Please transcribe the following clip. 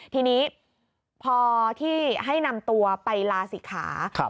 ทีนี้พอที่ให้นำตัวไปลาศิกขา